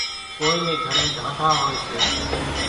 ڪونئين نين گھرين ڍانڍا هوئيَ سي۔